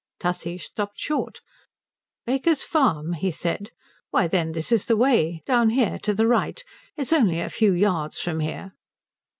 Tussie stopped short. "Baker's Farm?" he said. "Why, then this is the way; down here, to the right. It's only a few yards from here."